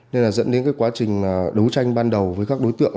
nên là dẫn đến quá trình đấu tranh ban đầu với các đối tượng